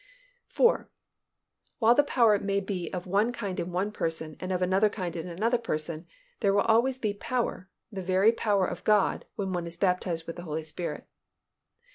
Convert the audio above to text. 4. _While the power may be of one kind in one person and of another kind in another person, there will always be power, the very power of God, when one is baptized with the Holy Spirit.